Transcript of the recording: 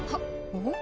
おっ！